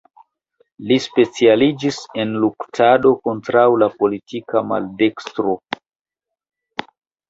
Li specialiĝis en luktado kontraŭ la politika maldekstro.